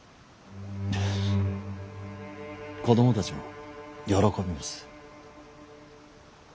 フッ子供たちも喜びます。